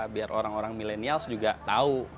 biar orang orang milenials juga tahu